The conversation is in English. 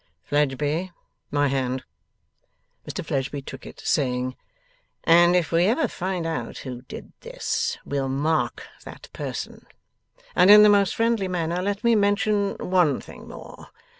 'Fledgeby, my hand.' Mr Fledgeby took it, saying, 'And if we ever find out who did this, we'll mark that person. And in the most friendly manner, let me mention one thing more.